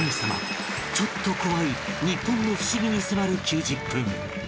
ちょっと怖い日本のふしぎに迫る９０分